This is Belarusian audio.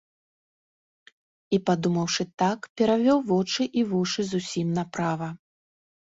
І, падумаўшы так, перавёў вочы і вушы зусім направа.